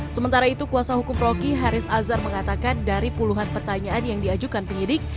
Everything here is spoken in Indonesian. sementara itu kuasa hukum rocky haris azhar mengatakan dari puluhan pertanyaan yang diajukan penyidik